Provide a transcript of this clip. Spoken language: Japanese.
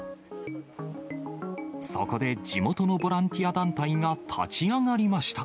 そこで地元のボランティア団体が立ち上がりました。